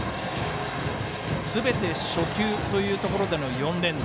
すべて初球というところでの４連打。